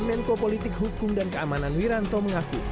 menko politik hukum dan keamanan wiranto mengaku